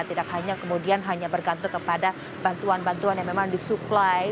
tidak hanya kemudian hanya bergantung kepada bantuan bantuan yang memang disuplai